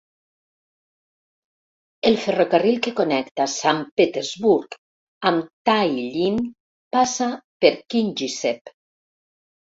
El ferrocarril que connecta Sant Petersburg amb Talllinn passa per Kingisepp.